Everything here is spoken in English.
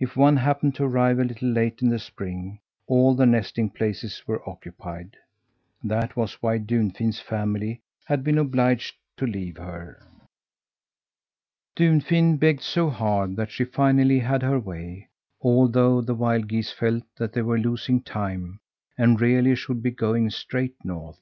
If one happened to arrive a little late in the spring, all the nesting places were occupied. That was why Dunfin's family had been obliged to leave her. Dunfin begged so hard that she finally had her way, although the wild geese felt that they were losing time and really should be going straight north.